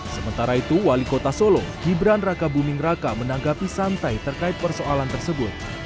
sementara itu wali kota solo gibran raka buming raka menanggapi santai terkait persoalan tersebut